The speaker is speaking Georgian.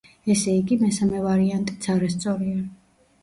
ესე იგი, მესამე ვარიანტიც არასწორია.